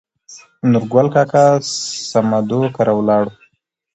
نورګل کاکا سمدو کره ولاړو.